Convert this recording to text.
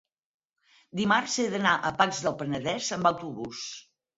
dimarts he d'anar a Pacs del Penedès amb autobús.